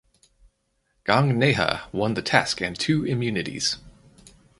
Gang Neha won the task and two immunities.